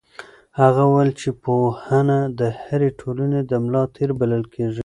هغه وویل چې پوهنه د هرې ټولنې د ملا تیر بلل کېږي.